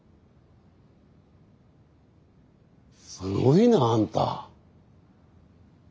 すごいなあんた。